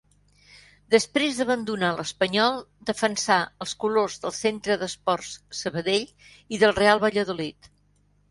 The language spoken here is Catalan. Després d'abandonar l'Espanyol defensà els colors del Centre d'Esports Sabadell i del Real Valladolid.